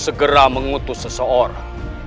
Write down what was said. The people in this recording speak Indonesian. segera mengutus seseorang